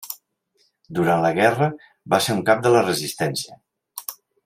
Durant la guerra va ser un cap de la resistència.